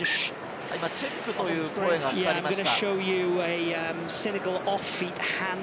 今チェックという声がかかりました。